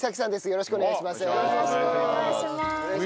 よろしくお願いします。